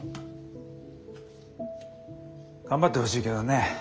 頑張ってほしいけどね